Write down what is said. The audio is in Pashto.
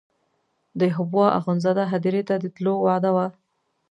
د حبوا اخندزاده هدیرې ته د تلو وعده وه.